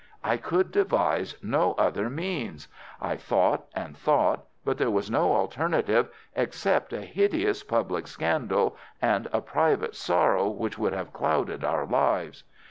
"I could devise no other means. I thought and thought, but there was no alternative except a hideous public scandal, and a private sorrow which would have clouded our lives.